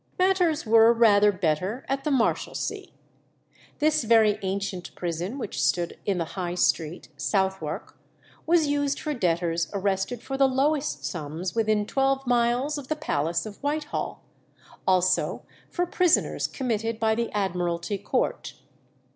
Matters were rather better at the Marshalsea. This very ancient prison, which stood in the High Street, Southwark, was used for debtors arrested for the lowest sums within twelve miles of the palace of Whitehall; also for prisoners committed by the Admiralty Court.